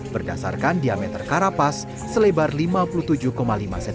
berdasarkan diameter karapas selebar lima puluh tujuh lima cm